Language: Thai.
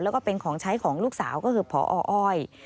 แล้วก็เป็นของใช้ของลูกสาวก็คือพออ้อย